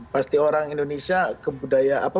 pasti orang indonesia kebudayaan apa